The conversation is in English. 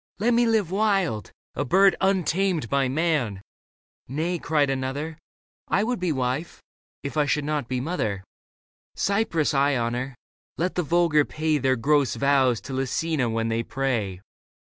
Let me live wild, A bird untamed by man !"" Nay," cried another, *' I would be wife, if I should not be mother. Leda Cypris I honour ; let the vulgar pay Their gross vows to Lucina when they pray.